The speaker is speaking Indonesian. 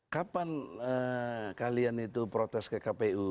kapan kalian itu protes ke kpu